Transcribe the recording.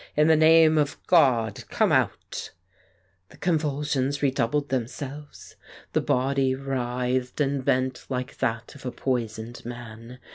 "In the name of God, come out !" The convulsions redoubled themselves; the body writhed and bent like that of a poisoned man.